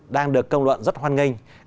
đang được công luận rất hoan nghênh